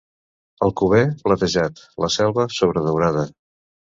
Alcover, platejat; la Selva, sobredaurada.